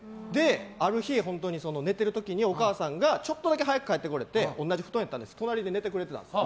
ある日、寝てる時にお母さんがちょっとだけ早く帰ってくれて同じ布団で隣で寝てくれていたんですよ。